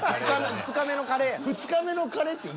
２日目のカレーや。